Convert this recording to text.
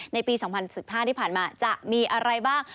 ในปี๒๐๑๕ที่ผ่านมาจะมีอะไรบ้าง